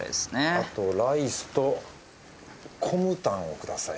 あとライスとコムタンをください。